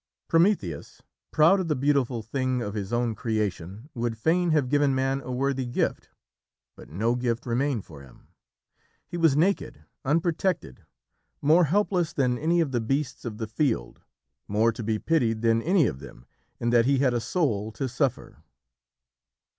Prometheus, proud of the beautiful thing of his own creation, would fain have given Man a worthy gift, but no gift remained for him. He was naked, unprotected, more helpless than any of the beasts of the field, more to be pitied than any of them in that he had a soul to suffer.